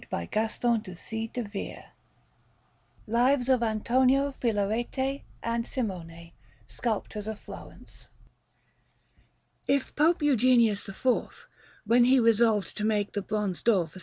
286 ANTONIO FILARETE AND SIMONE LIVES OF ANTONIO FILARETE AND SIMONE SCULPTORS OF FLORENCE If Pope Eugenius IV, when he resolved to make the bronze door for S.